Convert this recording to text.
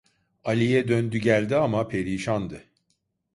Aliye döndü geldi ama, perişandı.